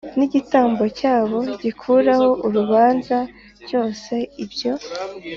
N igitambo cyabo gikuraho urubanza cyose ibyo